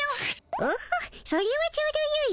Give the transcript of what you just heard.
オッホそれはちょうどよい。